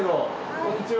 こんにちは。